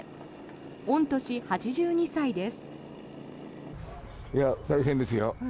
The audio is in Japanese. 御年８２歳です。